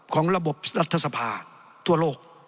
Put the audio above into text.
ของระบบรัฐสภาทั่วโลก